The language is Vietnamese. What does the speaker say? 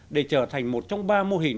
để trở thành một trong ba mô hình